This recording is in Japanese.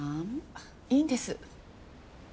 あっいいんです。